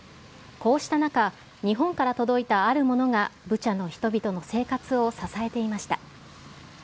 こうした中、日本から届いたあるものが、ブチャの人々の生活を支えていました。